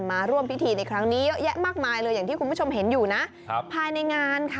มาร่วมพิธีในครั้งนี้เยอะแยะมากมายเลยอย่างที่คุณผู้ชมเห็นอยู่นะ